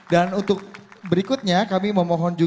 dan untuk berikutnya kami memohon